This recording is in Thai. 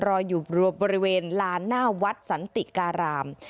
รออยู่บริเวณลานหน้าวัดสันติการาม